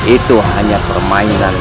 itu hanya permainan